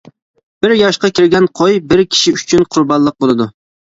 بىر ياشقا كىرگەن قوي-بىر كىشى ئۈچۈن قۇربانلىق بولىدۇ.